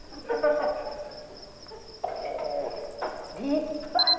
立派な！